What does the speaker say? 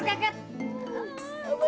nggak keluar keket